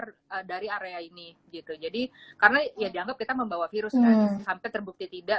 tidak keluar dari area ini karena dianggap kita membawa virus sampai terbukti tidak